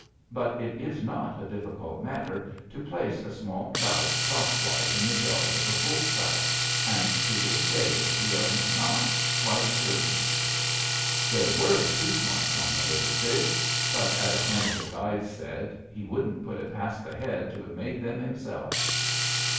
But it is not a difficult matter to place a small trout cross wise in the jaws of a bull trout, and to this day we are not quite certain. There were tooth marks on the little fish, but, as one of the guides said, he wouldn't put it past the Head to have made them himself.